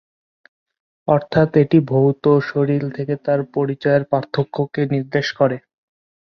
অর্থাৎ এটি ভৌত শরীর থেকে তার পরিচয়ের পার্থক্যকে নির্দেশ করে।